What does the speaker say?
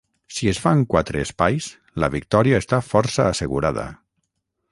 Si es fan quatre espais, la victòria està força assegurada.